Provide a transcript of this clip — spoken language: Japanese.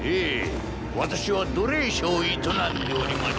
私は奴隷商を営んでおりまして。